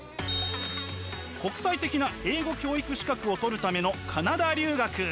国際的な英語教育資格を取るためのカナダ留学。